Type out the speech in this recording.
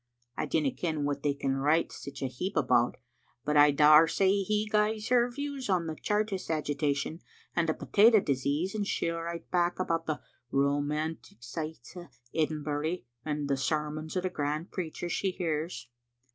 I dinna ken what they can write sic a heap about, but I daur say he gies her his views on the Chartist agitation and the potato disease, and she'll write back about the romantic sichts o' Edinbury and the sermons o' the grand preachers she hears.